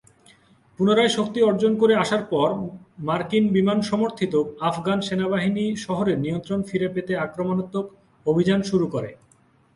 পুনরায় শক্তি অর্জন করে আসার পর, মার্কিন বিমান সমর্থিত আফগান সেনাবাহিনী শহরের নিয়ন্ত্রণ ফিরে পেতে আক্রমণাত্মক অভিযান শুরু করে।